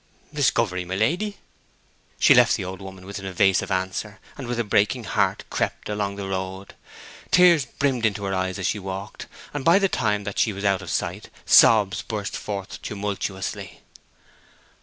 'Discovery, my lady?' She left the old woman with an evasive answer, and with a breaking heart crept along the road. Tears brimmed into her eyes as she walked, and by the time that she was out of sight sobs burst forth tumultuously.